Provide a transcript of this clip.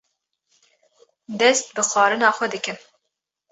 dest bi xwarina xwe dikin.